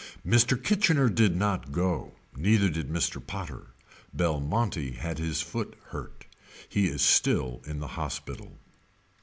Mr. Kitchener did not go neither did Mr. Potter. Belmonte had his foot hurt. He is still in the hospital.